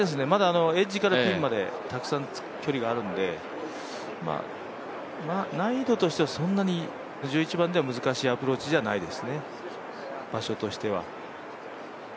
まだエッジからピンまでたくさん距離があるので、難易度としてはそんなに、この１１番では難しいアプローチではないですね、場所としては。